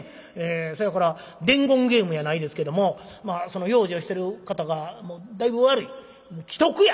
そやから伝言ゲームやないですけどもその養生してる方がもうだいぶ悪い危篤や！